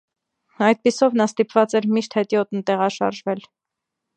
Այդպիսով նա ստիպված էր միշտ հետիոտն տեղաշարժվել։